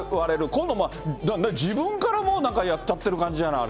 今度自分からもうなんかやっちゃってる感じじゃない？